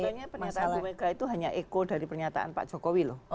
sebenarnya pernyataan bu mega itu hanya eko dari pernyataan pak jokowi loh